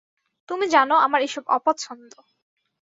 তুমি জানো আমার এসব অপছন্দ।